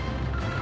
あ！